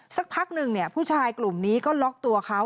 สักพักหนึ่งผู้ชายกลุ่มนี้ก็ล็อกตัวเขา